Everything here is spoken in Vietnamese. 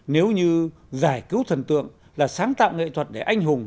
nếu như giải cứu thần tượng là sáng tạo nghệ thuật để anh hùng